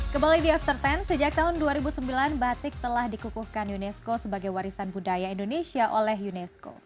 kembali di after sepuluh sejak tahun dua ribu sembilan batik telah dikukuhkan unesco sebagai warisan budaya indonesia oleh unesco